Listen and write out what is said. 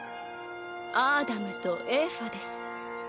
アーダムとエーファです。